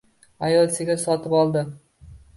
Ayol sigir sotib oldi.